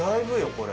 これ。